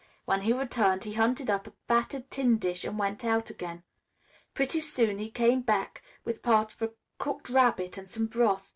When he returned he hunted up a battered tin dish and went out again. Pretty soon he came back with part of a cooked rabbit and some broth.